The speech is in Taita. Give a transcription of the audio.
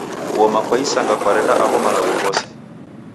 Kuoma kwa Isanga kwareda agho malagho ghose?.